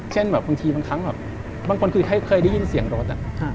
เช่นแบบบางทีบางครั้งแบบบางคนคือเคยได้ยินเสียงรถ